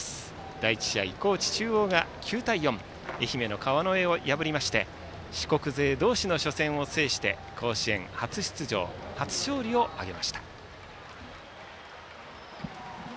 第１試合、高知中央が９対４愛媛の川之江を破りまして四国勢同士の初戦を制して甲子園初出場初勝利を挙げました。